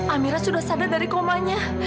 amira sudah sadar dari komanya